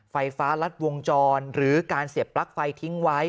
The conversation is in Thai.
ไฟฟ้ารัดวงจรหรือการเสียบปลั๊กไฟทิ้งไว้